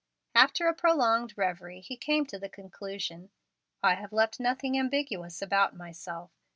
After a prolonged revery, he came to the conclusion: "I have left nothing ambiguous about myself.